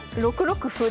６六歩。